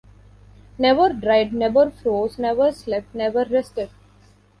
Never dried, never froze, never slept, never rested.